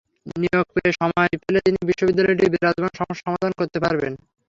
নিয়োগ পেয়ে সময় পেলে তিনি বিশ্ববিদ্যালয়টির বিরাজমান সমস্যা সমাধান করতে পারবেন।